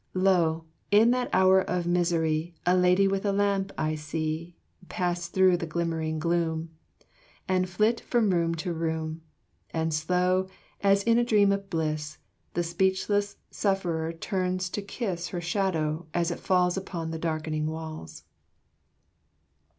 303. Lo! in that hour of misery A lady with a lamp I see Pass through the glimmering gloom, And flit from room to room. And slow, as in a dream of bliss, The speechless sufferer turns to kiss Her shadow, as it falls Upon the darkening walls.